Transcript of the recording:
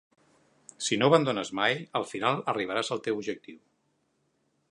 Si no abandones mai, al final arribaràs al teu objectiu.